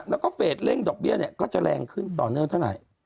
แล้วก็เฟสเร่งดอกเบี้ยเนี่ยก็จะแรงขึ้นต่อเนื่องเท่าไหร่